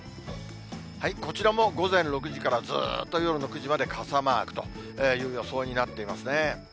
こちらも午前６時から、ずーっと夜の９時まで傘マークという予想になっていますね。